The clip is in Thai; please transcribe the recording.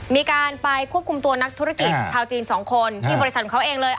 มีการไปควบคุมตัวนักธุรกิจชาวจีน๒คนที่บริษัทของเขาเองเลย